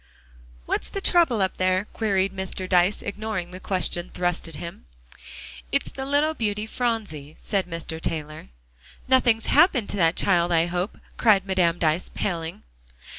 "What's the trouble up there?" queried Mr. Dyce, ignoring the question thrust at him. "It's the little beauty Phronsie," said Mr. Taylor. "Nothing's happened to that child I hope!" cried Madame Dyce, paling.